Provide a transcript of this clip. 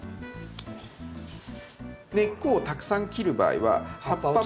根っこをたくさん切る場合は葉っぱも。